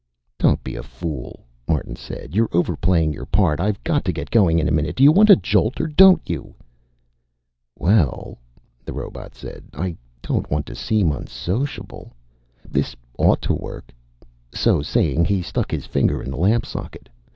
"Don't be a fool," Martin said. "You're overplaying your part. I've got to get going in a minute. Do you want a jolt or don't you?" "Well," the robot said, "I don't want to seem unsociable. This ought to work." So saying, he stuck his finger in the lamp socket.